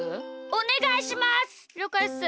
おねがいします！